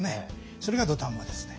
それが土壇場ですね。